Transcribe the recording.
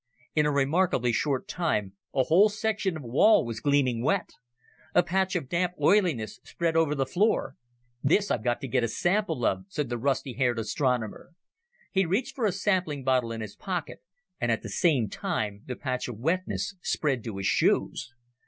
In a remarkably short time a whole section of wall was gleaming wet. A patch of damp oiliness spread over the floor. "This I've got to get a sample of," said the rusty haired astronomer. He reached for a sampling bottle in his pocket, and at the same time the patch of wetness spread to his shoes.